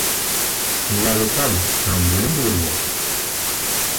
இல்லாவிட்டால் நாம் விழுந்து விடுவோம்!